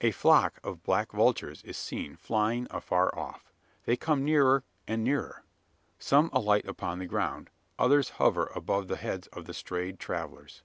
A flock of black vultures is seen flying afar off. They come nearer, and nearer. Some alight upon the ground others hover above the heads of the strayed travellers.